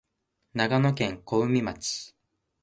長野県小海町